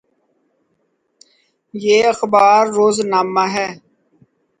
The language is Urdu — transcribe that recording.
یہ اخبار روزنامہ ہے۔